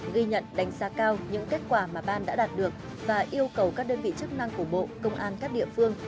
ghi nhận đánh giá cao những kết quả mà ban đã đạt được và yêu cầu các đơn vị chức năng của bộ công an các địa phương